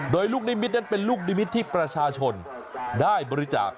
โดยลูกนิมิตนั้นเป็นลูกนิมิตรที่ประชาชนได้บริจาค